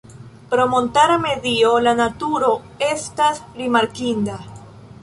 Pro montara medio la naturo estas rimarkinda.